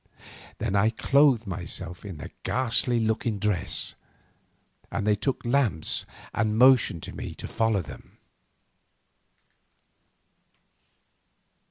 Then I clothed myself in the ghastly looking dress, and they took lamps and motioned to me to follow them.